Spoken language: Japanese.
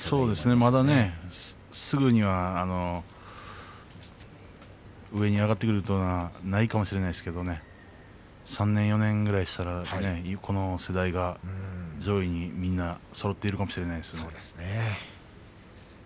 まだすぐには上に上がってくるということはないかもしれませんけれども３年４年ぐらいしたらこの世代が上位にみんなそろっているかもしれないですね。